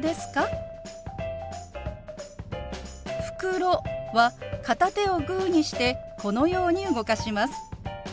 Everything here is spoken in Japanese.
「袋」は片手をグーにしてこのように動かします。